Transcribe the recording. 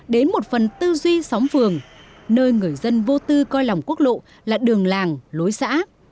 đến một phần tư duy xóm phường nơi người dân vô tư coi lòng quốc lộ là đường làng lối xã